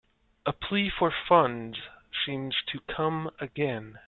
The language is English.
A plea for funds seems to come again.